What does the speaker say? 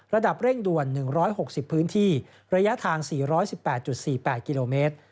ระดับเร่งด่วน๑๖๐พื้นที่ระยะทาง๔๑๘๔๘กิโลเมตร